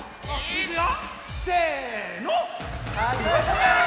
いくよ！